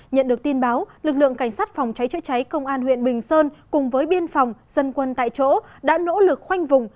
nhận được tin báo lực lượng cảnh sát phòng cháy chữa cháy công an huyện bình sơn cùng với biên phòng dân quân tại chỗ đã nỗ lực khoanh vùng